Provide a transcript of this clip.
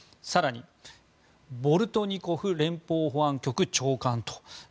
更にボルトニコフ連邦保安局長官と。